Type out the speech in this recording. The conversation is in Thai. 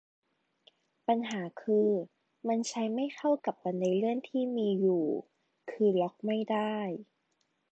ปัญหาคือ มันใช้ไม่เข้ากับบันไดเลื่อนที่มีอยู่ คือล็อกไม่ได้